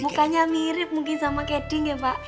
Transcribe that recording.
mukanya mirip mungkin sama kedi nggak pak